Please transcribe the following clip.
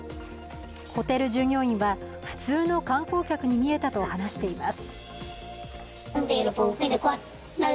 ホテル従業員は、普通の観光客に見えたと話しています。